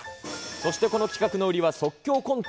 そしてこの企画の売りは、即興コント。